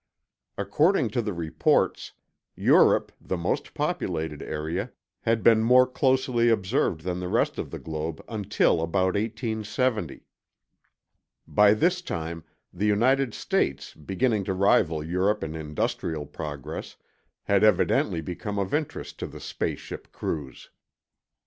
According to the reports, Europe, the most populated area, had been more closely observed than the rest of the globe until about 1870. By this time, the United States, beginning to rival Europe in industrial progress, had evidently become of interest to the space ship crews.